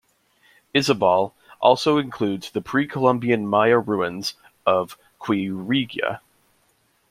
Izabal also includes the Pre-Columbian Maya ruins of Quirigua.